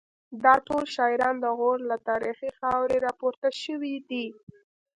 دا ټول شاعران د غور له تاریخي خاورې راپورته شوي دي